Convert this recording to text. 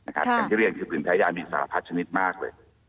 อย่างที่เรียนคือปืนแพ้ยามีสารพัดชนิดมากเลย